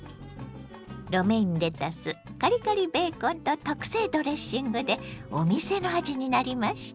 ロメインレタスカリカリベーコンと特製ドレッシングでお店の味になりました。